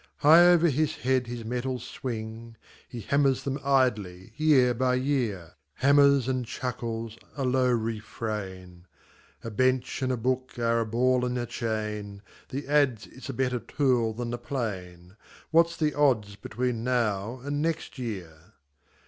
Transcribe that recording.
High over his head his metals swing; He hammers them idly year by year, Hammers and chuckles a low refrain: "A bench and a book are a ball and a chain, The adze is a better tool than the plane; What's the odds between now and next year?"